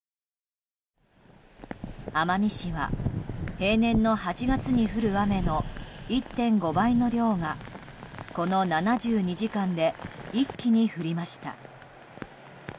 奄美市は平年の８月に降る雨の１．５倍の量がこの７２時間で一気に降りました。